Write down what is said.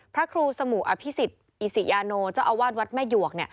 พระครูสมุอภิษฎอิสิยาโนเจ้าอาวาสวัดแม่หยวก